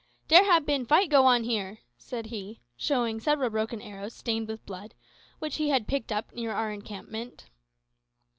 "Dere hab bin fight go on here," said he, showing several broken arrows, stained with blood, which he had picked up near our encampment.